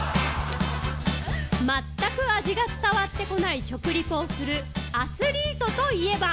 ・全く味が伝わってこない食リポをするアスリートといえば？